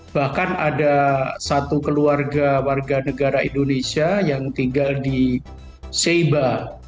bahkan ada satu keluarga warga negara indonesia yang tinggal di seiba